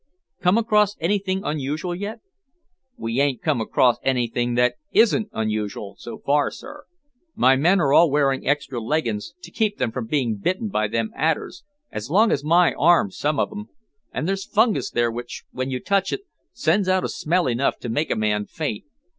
"Come across anything unusual yet?" "We ain't come across anything that isn't unusual so far, sir. My men are all wearing extra leggings to keep them from being bitten by them adders as long as my arm, some of 'em. And there's fungus there which, when you touch it, sends out a smell enough to make a man faint.